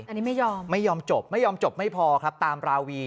อันนี้ไม่ยอมไม่ยอมจบไม่ยอมจบไม่พอครับตามราวี